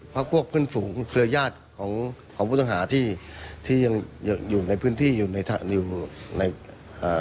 พวกเพื่อนฝูงเครือญาติของของผู้ต้องหาที่ที่ยังยังอยู่ในพื้นที่อยู่ในอยู่ในอ่า